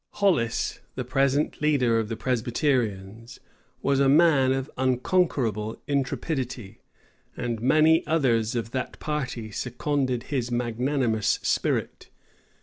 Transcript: Hollis, the present leader of the Presbyterians, was a man of unconquerable intrepidity; and many others of that party seconded his magnanimous spirit.